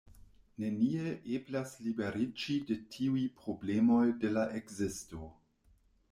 Neniel eblas liberiĝi de tiuj problemoj de la ekzisto.